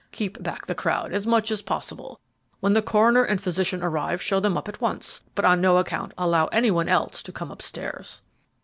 Keep back the crowd as much as possible; when the coroner and physician arrive show them up at once, but on no account allow any one else to come up stairs."